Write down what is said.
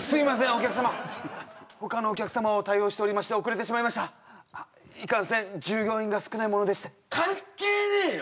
お客様他のお客様を対応しておりまして遅れてしまいましたいかんせん従業員が少ないものでして関係ねえよ